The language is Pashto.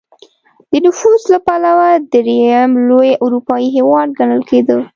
د نفوس له پلوه درېیم لوی اروپايي هېواد ګڼل کېده.